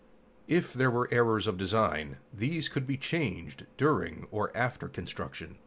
If there were errors of design, these could be changed during or after construction.